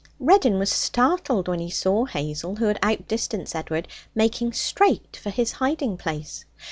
Reddin was startled when he saw Hazel, who had out distanced Edward, making straight for his hiding place.